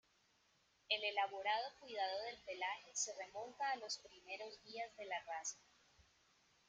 El elaborado cuidado del pelaje se remonta a los primeros días de la raza.